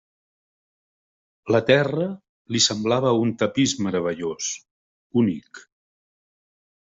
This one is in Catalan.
La terra li semblava un tapís meravellós, únic.